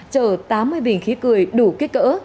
chở tám mươi bình khí cười đủ kích cỡ